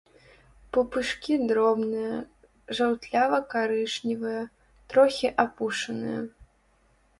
Пупышкі дробныя, жаўтлява-карычневыя, трохі апушаныя.